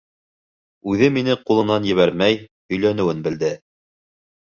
Үҙе мине ҡулынан ебәрмәй, һөйләнеүен белде.